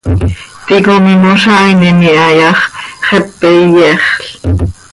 ticom imozaainim iha yax, xepe iyexl.